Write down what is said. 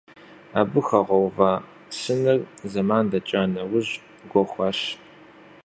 Абы хуагъэува сыныр зэман дэкӀа нэужь гуэхуащ.